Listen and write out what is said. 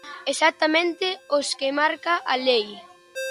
Exactamente os que marca a lei.